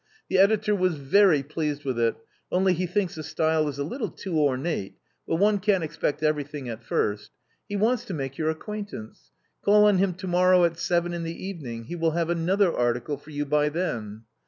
" The editor was very pleased with it, only he thinks the style is a little too ornate; but one can't expect every thing at first. He wants to make your acquaintance. Call on him to morrow at seven in the evening; he will have another article for you by then."